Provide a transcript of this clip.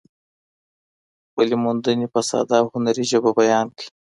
خپلې موندنې په ساده او هنري ژبه بیان کړئ.